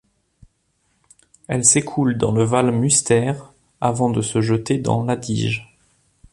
Elle s'écoule dans le Val Müstair avant de se jeter dans l'Adige.